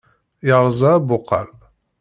Yerẓa abuqal.